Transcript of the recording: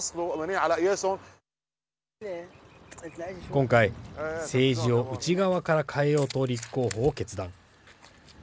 今回、政治を内側から変えようと立候補を決断。